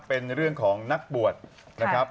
เป็นเรื่องของนักบวชนะครับ